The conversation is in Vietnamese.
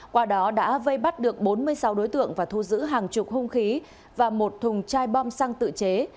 qua đó đã vây bắt được bốn mươi sáu đối tượng và thu giữ hàng chục hung khí và một thùng chai bom xăng tự chế